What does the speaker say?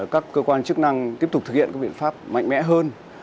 các cơ quan chức năng tiếp tục thực hiện các biện pháp mạnh mẽ hơn